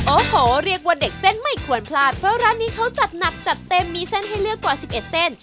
โอ้โหเรียกว่าเด็กเส้นไม่ควรพลาดเพราะร้านนี้เขาจัดหนักจัดเต็มมีเส้นให้เลือกกว่า๑๑เส้น